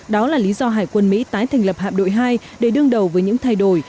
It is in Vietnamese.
đó là lý do hải quân mỹ tái thành lập hạm đội hai để đương đầu với những thay đổi